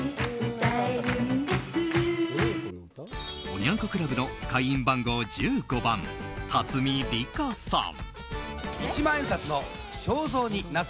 おニャン子クラブの会員番号１５番、立見里歌さん。